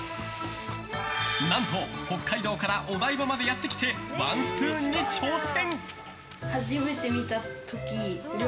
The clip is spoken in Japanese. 何と北海道からお台場までやってきて、ワンスプーンに挑戦。